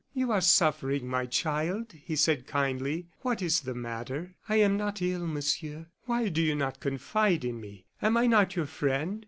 "You are suffering, my child," he said, kindly. "What is the matter?" "I am not ill, Monsieur." "Why do you not confide in me? Am I not your friend?